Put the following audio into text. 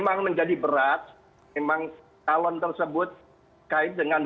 ya menarik ya